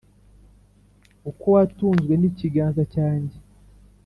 uko watunzwe n’ikiganza cyanjye.